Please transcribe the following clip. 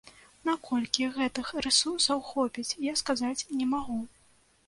Наколькі гэтых рэсурсаў хопіць, я сказаць не магу.